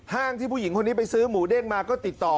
ที่ผู้หญิงคนนี้ไปซื้อหมูเด้งมาก็ติดต่อ